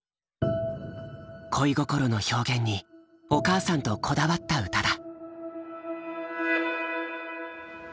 恋心の表現にお母さんとこだわった歌だ。